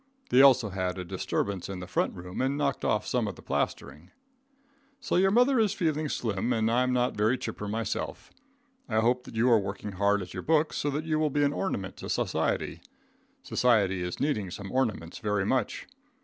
They also had a disturbance in the front room and knocked off some of the plastering. So your mother is feeling slim and I am not very chipper myself. I hope that you are working hard at your books so that you will be an ornament to society. Society is needing some ornaments very much.